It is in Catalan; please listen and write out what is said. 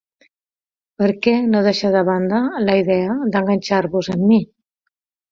Per què no deixar de banda la idea d'enganxar-vos amb mi?